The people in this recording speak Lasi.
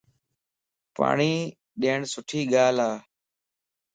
پاڻين ڏين سٽي ڳال ا